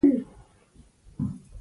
د اوسني مبحث د فرضیو نفي کولو لپاره.